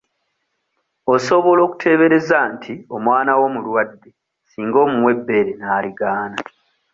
Osobola okuteebereza nti omwana wo mulwadde singa omuwa ebbeere n'aligaana.